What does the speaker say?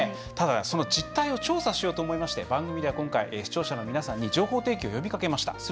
その実態を調査しようと思いまして番組では今回、視聴者の皆さんに情報提供を呼びかけました。